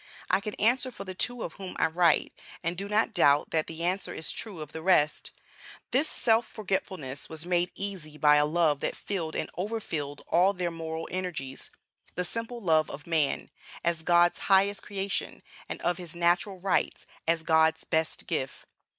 I can answer for the two of whom I write, and do not doubt that the answer is true of the rest: This self forgetfulness was made easy by a love that filled and overfilled all their moral energies the simple love of man, as God's highest creation, and of his natural rights, as God's best gift.